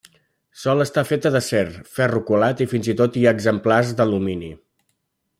Sol estar feta d'acer, ferro colat i fins i tot hi ha exemplars d'alumini.